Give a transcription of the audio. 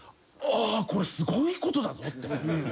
あこれすごいことだぞって。